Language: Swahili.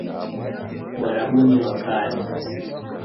Uarabuni wa Kale